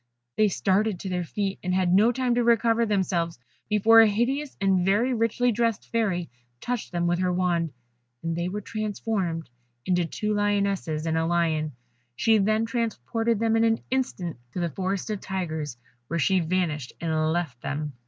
They started to their feet, and had not time to recover themselves before a hideous and very richly dressed Fairy touched them with her wand, and they were transformed into two Lionesses and a Lion, she then transported them in an instant to the Forest of Tigers, where she vanished and left them.